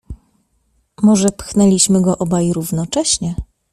"Może pchnęliśmy go obaj równocześnie."